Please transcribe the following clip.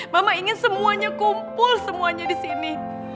mama ingin semuanya kumpul semuanya disini